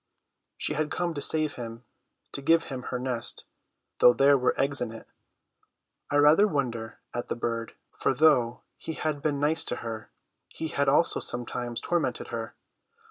She had come to save him, to give him her nest, though there were eggs in it. I rather wonder at the bird, for though he had been nice to her, he had also sometimes tormented her.